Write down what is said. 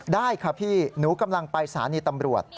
ได้ค่ะพี่หนูกำลังไปสถานีตำรวจ